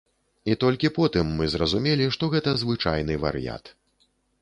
І толькі потым мы зразумелі, што гэта звычайны вар'ят.